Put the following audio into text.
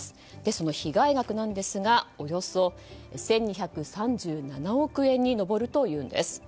その被害額なんですがおよそ１２３７億円に上るというんです。